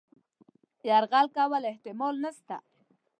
یرغل کولو احتمال نسته.